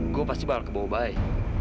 gue pasti bakal kebawa baik